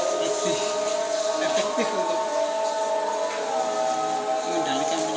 karena kami sudah melakukan pelaksanaan